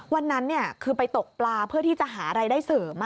วันนั้นคือไปตกปลาเพื่อที่จะหารายได้เสริม